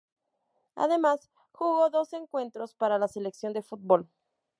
Además, jugó dos encuentros para la selección de fútbol.